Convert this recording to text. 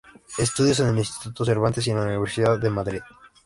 Estudios en el instituto Cervantes y en la Universidad de Madrid.